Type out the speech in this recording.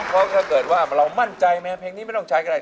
ถูกต้องแล้วเพราะถ้าเรามั่นใจว่าเพลงนี้ไม่ต้องใช้